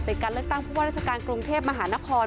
กรติการเลือกตั้งบรัฐกาลกรุงเทพมหาหน้าคอน